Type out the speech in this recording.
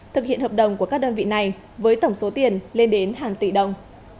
thực hiện hợp đồng của các đơn vị này với tổng số tiền lên đến hàng tỷ đồng